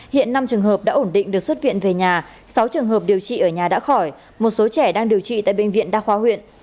hiện năm trường hợp đã ổn định được xuất viện về nhà sáu trường hợp điều trị ở nhà đã khỏi một số trẻ đang điều trị tại bệnh viện đa khoa huyện